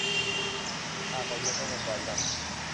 حقایق مسلم